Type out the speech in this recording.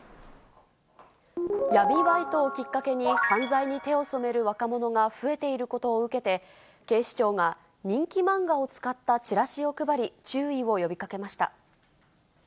闇バイトをきっかけに、犯罪に手を染める若者が増えていることを受けて、警視庁が人気漫画を使ったチラシを配り、注意を呼びかけました。